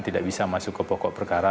tidak bisa masuk ke pokok perkara